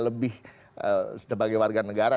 lebih sebagai warga negara